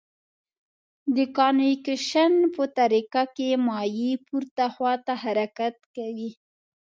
د کانویکشن په طریقه کې مایع پورته خواته حرکت کوي.